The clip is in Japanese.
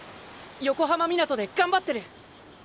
横浜湊で頑張ってる！